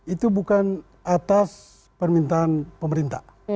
itu bukan atas permintaan pemerintah